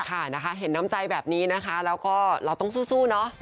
ค่ะนะคะเห็นน้ำใจแบบนี้นะคะแล้วก็เราต้องสู้เนอะ